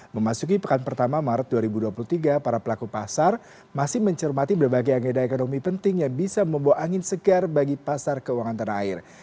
memasuki pekan pertama maret dua ribu dua puluh tiga para pelaku pasar masih mencermati berbagai agenda ekonomi penting yang bisa membawa angin segar bagi pasar keuangan tanah air